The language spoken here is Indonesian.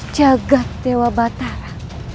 jagat dewa batara